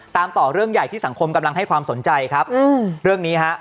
ต่อเรื่องใหญ่ที่สังคมกำลังให้ความสนใจครับเรื่องนี้ฮะ